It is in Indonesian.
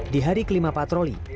di hari kelima patroli